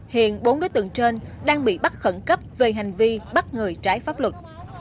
hiện bốn đối tượng trên đang bị bắt khẩn cấp về hành vi bắt người trái pháp luật